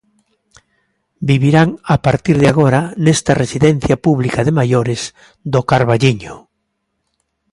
Vivirán a partir de agora nesta residencia pública de maiores do Carballiño.